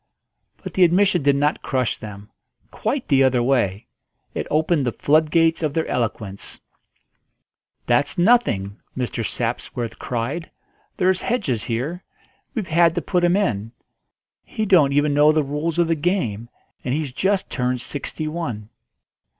But the admission did not crush them: quite the other way. It opened the floodgates of their eloquence. "That's nothing," Mr. Sapsworth cried. "There's Hedges here; we've had to put him in; he don't even know the rules of the game, and he's just turned sixty one."